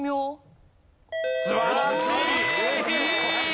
素晴らしい！